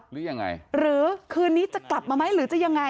หรือยังไงหรือคืนนี้จะกลับมาไหมหรือจะยังไง